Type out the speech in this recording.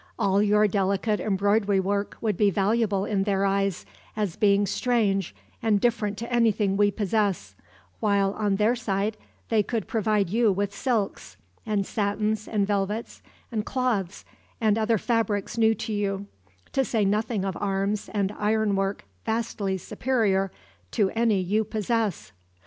All your delicate embroidery work would be valuable in their eyes, as being strange and different to anything we possess; while on their side they could provide you with silks, and satins, and velvets, and cloths, and other fabrics new to you; to say nothing of arms and iron work vastly superior to any you possess."